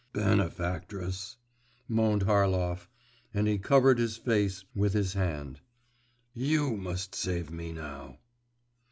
'Benefactress!' moaned Harlov, and he covered his face with his hand. 'You must save me now!